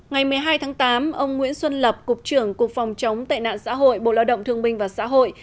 ngày một mươi hai tháng tám ông nguyễn xuân lập cục trưởng cục phòng chống tệ nạn xã hội bộ lao động thương minh và xã hội